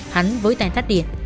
hắn với tay thắt điện